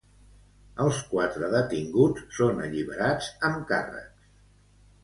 Els quatre detinguts són alliberats amb càrrecs.